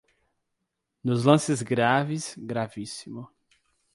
Nos lances graves, gravíssimo.